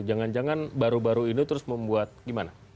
jangan jangan baru baru ini terus membuat gimana